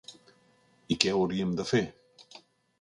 I què hauríem de fer?